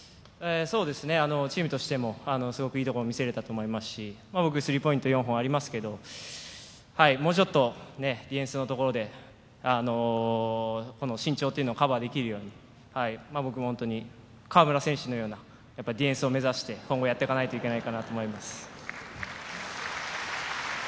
チームとしてもすごくいいところを見せれたと思いますし、スリーポイント４本ありますけど、もうちょっとディフェンスのところで身長というのをカバーできるように僕も河村選手のようなディフェンスを目指して今後やっていかないといけないかなと思います。